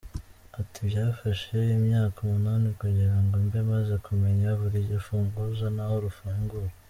Ati “Byafashe imyaka umunani kugira ngo mbe maze kumenya buri rufunguzo n’aho rufungura.